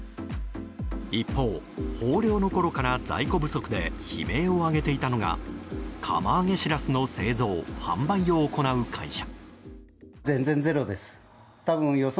一方、豊漁のころから在庫不足で悲鳴を上げていたのが釜揚げシラスの製造・販売を行う会社。